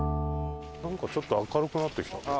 なんかちょっと明るくなってきた。